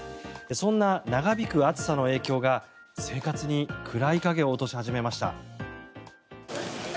そんな長引く暑さの影響が生活に暗い影を落とし始めました。